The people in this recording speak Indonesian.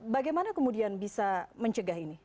bagaimana kemudian bisa mencegah ini